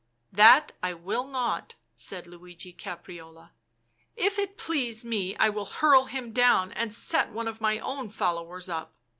" That will not I," said Luigi Caprarola. " If it please me I will hurl him down and set one of my own followers up.